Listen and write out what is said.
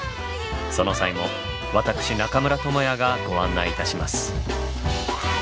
その際も私中村倫也がご案内いたします。